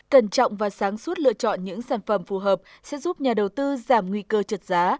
cẩn trọng và sáng suốt lựa chọn những sản phẩm phù hợp sẽ giúp nhà đầu tư giảm nguy cơ trượt giá